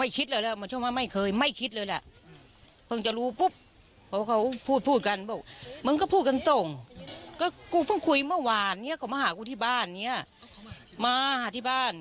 เขามาหากูที่บ้านมาหาที่บ้าน